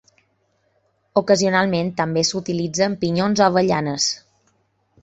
Ocasionalment també s'utilitzen pinyons o avellanes.